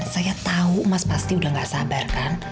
saya tahu mas pasti udah gak sabar kan